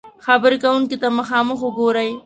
-خبرې کونکي ته مخامخ وګورئ